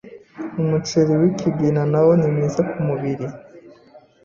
Umuceri w’ikigina nawo nimwiza kumubiri